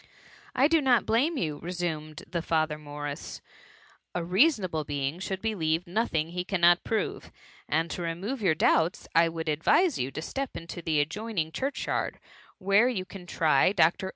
^" 1 do not blame you,'' resumed the Father Morris; *^ a reasonable being should believe nothing he cannot prove ; and to remove your doubts, I would advise you to step into the ad joining diurch yard, where you can tiy Dr. TAX MUMMy.